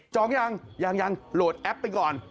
ยังยังโหลดแอปไปก่อน